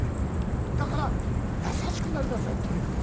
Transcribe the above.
「だから優しくなりなさいとにかく」って。